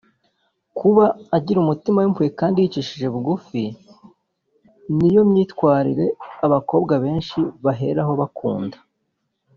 Kuba agira umutima w’impuhwe kandi yicisha bugufi ni yo myitwarire abakobwa benshi baheraho bakunda